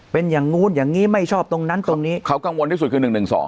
เป็นอย่างนู้นอย่างนี้ไม่ชอบตรงนั้นตรงนี้เขากังวลที่สุดคือ๑๑๒